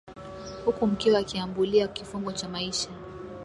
huku mkewe akiambulia kifungo cha maisha